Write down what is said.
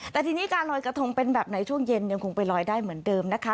แต่ทีนี้การลอยกระทงเป็นแบบไหนช่วงเย็นยังคงไปลอยได้เหมือนเดิมนะคะ